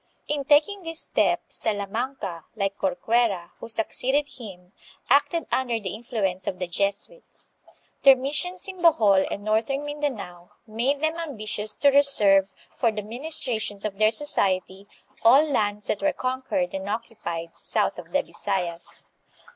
In taking this step, Salamanca, like Corcuera, who succeeded him, acted under the influence of the Jesuits. Their mis sions in Bohol and northern Mindanao made them ambi tious to reserve for the ministrations of their society all lands that were conquered and occupied, south of the Bisayas.